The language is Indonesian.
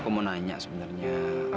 aku mau nanya sebenarnya